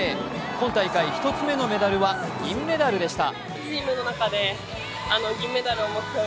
今大会１つ目のメダルは銀メダルでした。